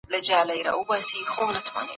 د ماشومانو سوالونو ته ځواب ورکړئ.